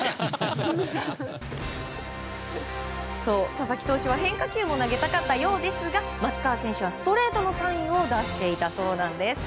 佐々木投手は変化球を投げたかったようですが松川選手はストレートのサインを出していたそうなんです。